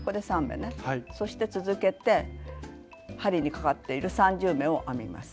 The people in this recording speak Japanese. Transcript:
そして続けて針にかかっている３０目を編みます。